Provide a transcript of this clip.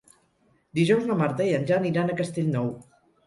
Dijous na Marta i en Jan iran a Castellnou.